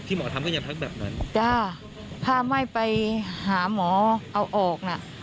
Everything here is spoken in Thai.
หมอทำก็ยังทักแบบนั้นจ้าถ้าไม่ไปหาหมอเอาออกน่ะ